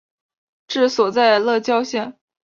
治所在乐郊县。